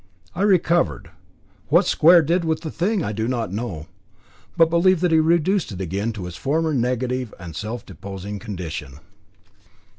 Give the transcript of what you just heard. I recovered. What Square did with the Thing I know not, but believe that he reduced it again to its former negative and self decomposing condition.